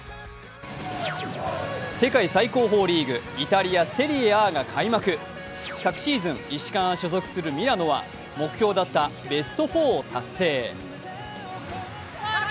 世界最高峰リーグ、イタリア・セリエＡが開幕昨シーズン、石川が所属するミラノは目標だったベスト４を達成。